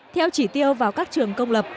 theo chỉ tiêu vào các trường công lập